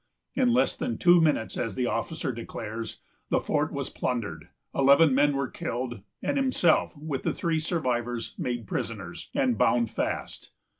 In less than two minutes, as the officer declares, the fort was plundered, eleven men were killed, and himself, with the three survivors, made prisoners, and bound fast.